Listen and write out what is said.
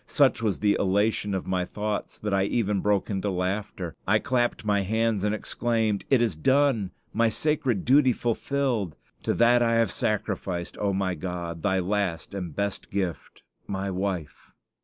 Such was the elation of my thoughts that I even broke into laughter. I clapped my hands and exclaimed, "It is done! My sacred duty is fulfilled! To that I have sacrificed, O my God, Thy last and best gift, my wife!"